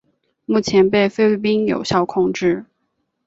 目前被菲律宾有效控制。